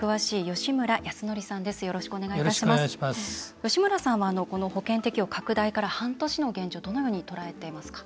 吉村さんは保険適用拡大から半年の現状どのように捉えていますか？